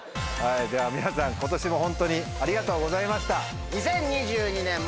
では皆さん今年もホントにありがとうございました。